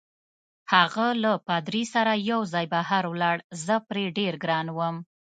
هغه له پادري سره یوځای بهر ولاړ، زه پرې ډېر ګران وم.